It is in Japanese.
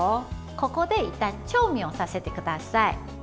ここで１回調味をさせてください。